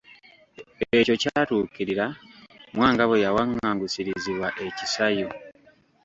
Ekyo kyatuukirira Mwanga bwe yawannangusirizibwa e Kisayu.